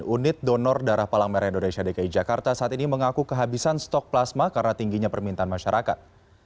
unit donor darah palang merah indonesia dki jakarta saat ini mengaku kehabisan stok plasma karena tingginya permintaan masyarakat